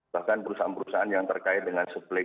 bahkan perusahaan perusahaan yang terkait dengan sebuah perusahaan